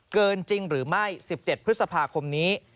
เกินจริงหรือไม่๑๗พฤษภาคมนี้